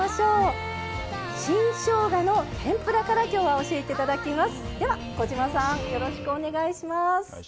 新しょうがの天ぷらから今日は教えていただきます。